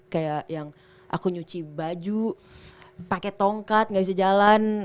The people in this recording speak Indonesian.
kayak yang aku nyuci baju pakai tongkat gak bisa jalan